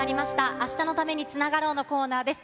明日のために、今日つながろう。のコーナーです。